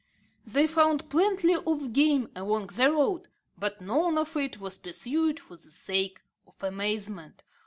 They found plenty of game along the route, but none of it was pursued for the sake of amusement.